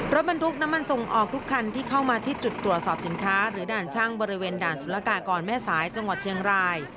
รถบรรทุกน้ำมันส่งออกทุกคันที่เข้ามาที่จุดตรวจสอบสินค้าหรือด่านช่างบริเวณด่านสุรกากรแม่สายจังหวัดเชียงราย